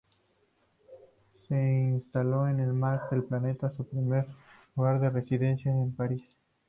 Se instaló en Mar del Plata, su primer lugar de residencia en el país.